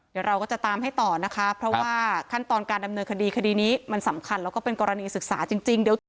เดี๋ยวเราก็จะตามให้ต่อนะคะเพราะว่าขั้นตอนการดำเนินคดีคดีนี้มันสำคัญแล้วก็เป็นกรณีศึกษาจริง